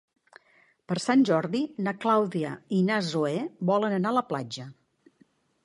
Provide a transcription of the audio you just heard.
Per Sant Jordi na Clàudia i na Zoè volen anar a la platja.